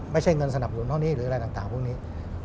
ไม่ใช่เงินสนับหนุนเท่านี้หรืออะไรต่างพวกนี้